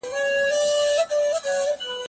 فساد ټولنه د ناامنۍ او ویرې لور ته بیايي.